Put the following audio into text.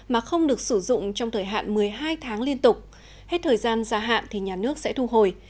mà không được sử dụng trong thời hạn một mươi hai tháng liên tục hết thời gian gia hạn thì nhà nước sẽ thu hồi